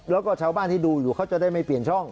แล้วก็ชาวบ้านที่ดูอยู่เขาจะได้ไม่เปลี่ยนช่อง